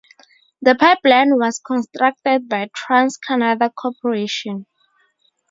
The pipeline was constructed by Trans Canada Corporation.